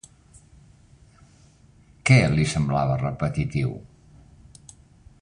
Què li semblava repetitiu?